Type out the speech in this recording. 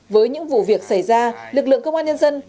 với những vụ việc xảy ra lực lượng công an nhân dân